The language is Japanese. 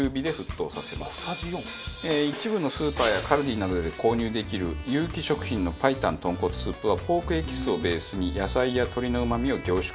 一部のスーパーやＫＡＬＤＩなどで購入できるユウキ食品の白湯豚骨スープはポークエキスをベースに野菜や鶏のうま味を凝縮。